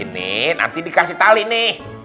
nanti dikasih tali nih